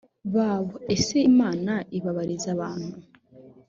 babo ese imana ibabariza abantu